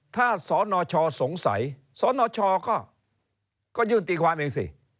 ถ้าสนชสงสัยสนชก็ยื่นตีความเองสิ